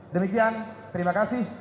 demikian terima kasih